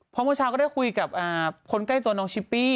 เพราะเมื่อเช้าก็ได้คุยกับคนใกล้ตัวน้องชิปปี้